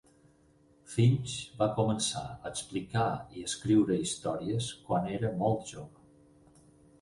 Finch va començar a explicar i escriure històries quan era molt jove.